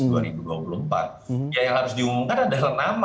ya yang harus diumumkan adalah nama